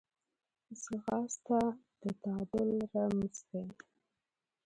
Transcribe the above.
ځغاسته د تعادل رمز دی